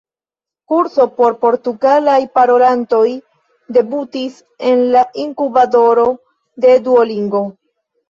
kurso por portugalaj parolantoj debutis en la inkubatoro de Duolingo